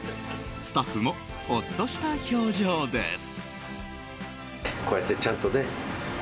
スタッフもほっとした表情です。